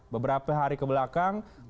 beberapa hari kebelakang